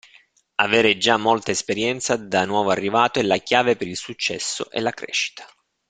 Avere già molta esperienza da nuovo arrivato è la chiave per il successo e la crescita.